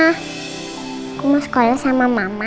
aku mau sekolah sama mama